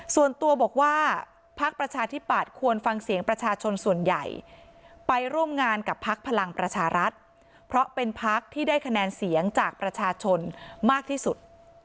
ส่วนตัวบอกว่าพักประชาธิปัตย์ควรฟังเสียงประชาชนส่วนใหญ่ไปร่วมงานกับพักพลังประชารัฐเพราะเป็นพักที่ได้คะแนนเสียงจากประชาชนมากที่สุด